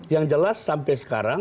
yang jelas sampai sekarang